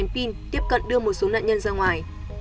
pin tiếp cận đưa một số nạn nhân ra ngoài